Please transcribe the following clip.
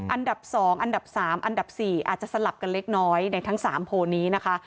อันดับ๒อันดับ๓อันดับ๔อาจจะสลับกันเล็กน้อยในทั้ง๓โพลนี้นะคะ